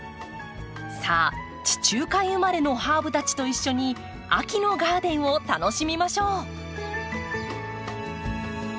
さあ地中海生まれのハーブたちと一緒に秋のガーデンを楽しみましょう。